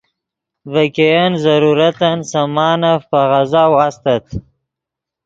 ڤے ګئین ضرورتن سامانف پے غزا واستت